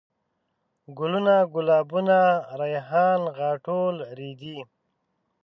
ګلوونه ،ګلابونه ،ريحان ،غاټول ،رېدی